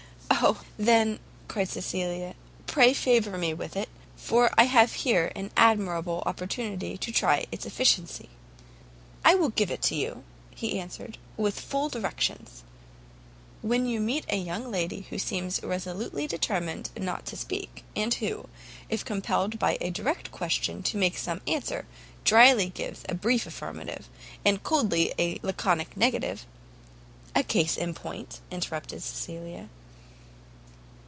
"O, then," cried Cecilia, "pray favour me with it, for I have here an admirable opportunity to try its efficacy." "I will give it you," he answered, "with full directions. When you meet with a young lady who seems resolutely determined not to speak, or who, if compelled by a direct question to make some answer, drily gives a brief affirmative, or coldly a laconic negative " "A case in point," interrupted Cecilia.